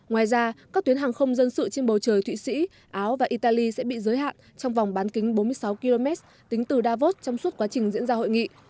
hội nghị sẽ bị giới hạn trong vòng bán kính bốn mươi sáu km tính từ davos trong suốt quá trình diễn ra hội nghị